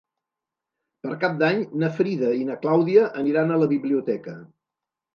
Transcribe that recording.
Per Cap d'Any na Frida i na Clàudia aniran a la biblioteca.